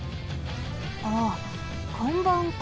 あっかんばんか。